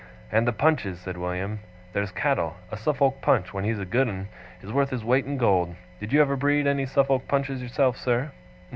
'And the Punches,' said William. 'There's cattle! A Suffolk Punch, when he's a good un, is worth his weight in gold. Did you ever breed any Suffolk Punches yourself, sir?